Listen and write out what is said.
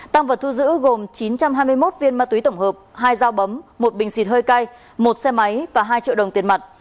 tăng vật thu giữ gồm chín trăm hai mươi một viên ma túy tổng hợp hai dao bấm một bình xịt hơi cay một xe máy và hai triệu đồng tiền mặt